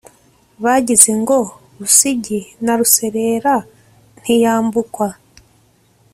bagize ngo Busigi na Ruserera ntiyambukwa